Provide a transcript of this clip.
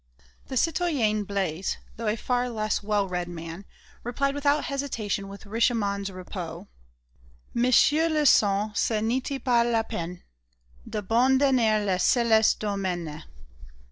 " The citoyen Blaise, though a far less well read man, replied without hesitation with Richemond's ripost: "Monsieur le Saint, ce n'était pas la peine D'abandonner le céleste domaine...."